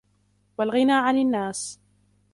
وَالْغِنَى عَنْ النَّاسِ